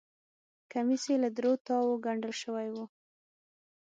کمیس یې له درو تاوو ګنډل شوی و.